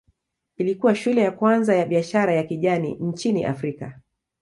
Ilikuwa shule ya kwanza ya biashara ya kijani nchini Afrika.